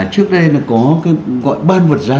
trước đây là có cái gọi ban vật giá